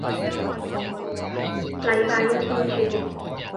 禮拜一先算